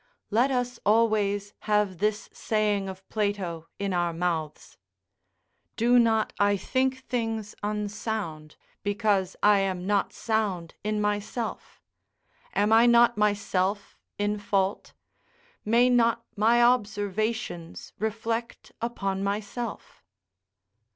Let us always have this saying of Plato in our mouths: "Do not I think things unsound, because I am not sound in myself? Am I not myself in fault? may not my observations reflect upon myself?"